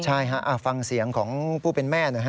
ใช่ฮะฟังเสียงของผู้เป็นแม่หน่อยฮะ